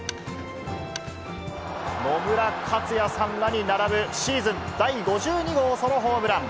野村克也さんらに並ぶ、シーズン第５２号ソロホームラン。